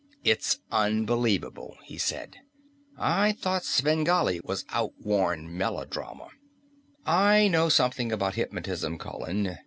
"It's unbelievable," he said. "I thought Svengali was outworn melodrama." "I know something about hypnotism, Colin.